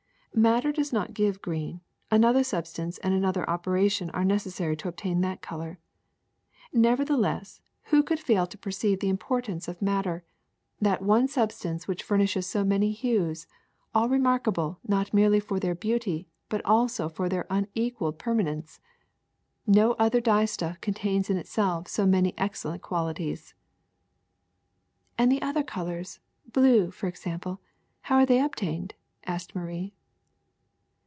"Madder does not give green; another substance and another operation are necessary to obtain that color. Nevertheless, who could fail to perceive the 74 THE SECRET OF EVERYDAY THINGS importance of madder, that one substance which fur nishes so many hues, all remarkable not merely for their beauty but also for their unequaled perma nence ? No other dyestutf contains in itself so many excellent qualities. '^ And the other colors — blue, for example — how are they obtained?'' asked Marie.